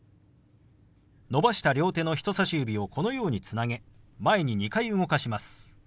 伸ばした両手の人さし指をこのようにつなげ前に２回動かします。